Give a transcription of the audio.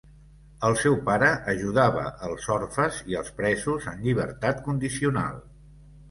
El seu pare ajudava els orfes i els presos en llibertat condicional.